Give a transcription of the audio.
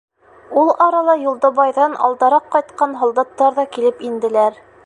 Ул арала Юлдыбайҙан алдараҡ ҡайтҡан һалдаттар ҙа килеп инделәр.